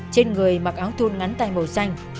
trên người mặc áo thun ngắn tài màu xanh